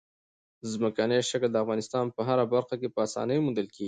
ځمکنی شکل د افغانستان په هره برخه کې په اسانۍ موندل کېږي.